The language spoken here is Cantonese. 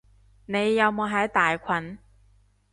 你有冇喺大群？